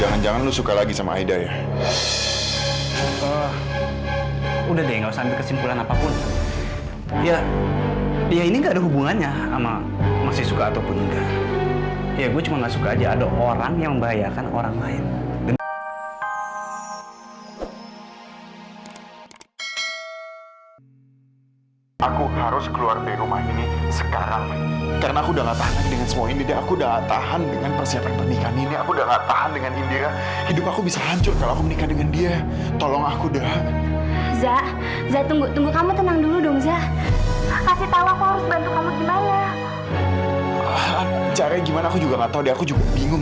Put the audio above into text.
orang yang membahayakan orang lain